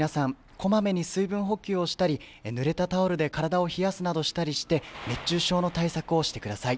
こまめに水分補給をしたりぬれたタオルで体を冷やすなどしたりして熱中症の対策をしてください。